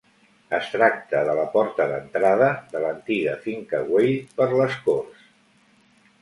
Es tracta de la porta d'entrada de l'antiga Finca Güell per les Corts.